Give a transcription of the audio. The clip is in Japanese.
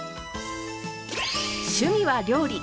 趣味は料理。